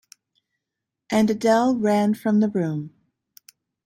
And Adele ran from the room.